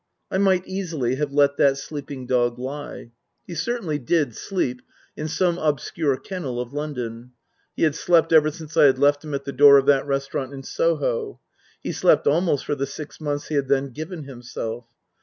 I might easily have let that sleeping dog lie. He certainly did sleep, in some obscure kennel of London ; he had slept ever since I had left him at the door of that restaurant in Soho. He slept almost for the six months he had then given himself.